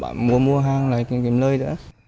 bán mua mua hàng lại kiểm lợi nữa